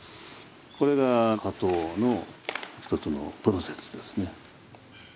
これが掛搭の一つのプロセスですね。